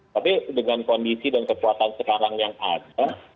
tapi dengan kondisi dan kekuatan sekarang yang ada